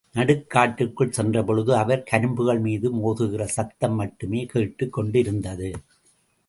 நடுக் காட்டிற்குள் சென்றபொழுது, அவர் கரும்புகள் மீது மோதுகிற சத்தம் மட்டுமே கேட்டுக் கொண்டிருந்தது.